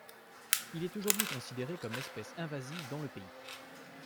Il est aujourd’hui considéré comme espèce invasive dans le pays.